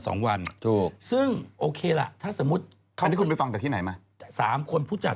สำหรับคนที่ไม่เข้าใจก็ไม่เป็นไรนะครับ